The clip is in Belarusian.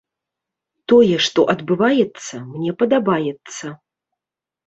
Тое, што адбываецца, мне падабаецца.